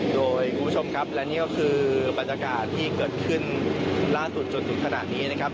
โดยคุณผู้ชมครับและนี่ก็คือบรรยากาศที่เกิดขึ้นล่าสุดจนถึงขนาดนี้นะครับ